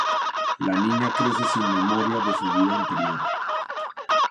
La niña crece sin memoria de su vida anterior.